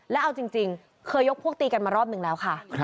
แล้วเอาจริงเคยยกพวกตีกันมารอบหนึ่งแล้วค่ะ